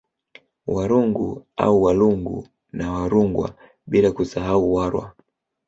Warungu au Walungu na Warungwa bila kusahau Warwa